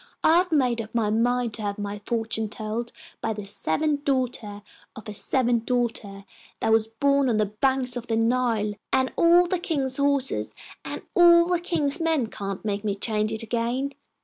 I have made up my mind to have my fortune told by the seventh daughter of a seventh daughter, that was born on the banks of the Nile, and all the king's horses and all the king's men can't make me change it again.